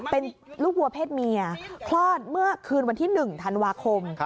เป็นลูกวัวเพศเมียคลอดเมื่อคืนวันที่๑ธันวาคม